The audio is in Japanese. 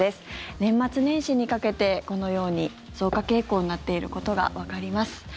年末年始にかけてこのように増加傾向になっていることがわかります。